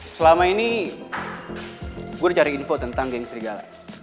selama ini gue udah cari info tentang geng serigala